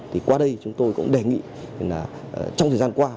thì qua đây chúng tôi cũng đề nghị là trong thời gian qua